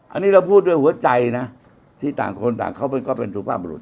อันนี้เราพูดด้วยหัวใจนะที่ต่างคนต่างเขาก็เป็นสุภาพบรุษ